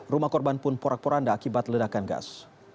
rumah korban pun porak poranda akibat ledakan gas